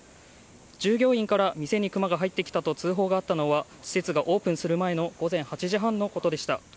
従業員から店にクマが入ってきたと通報があったのは施設がオープンする前の午前８時半のことでした。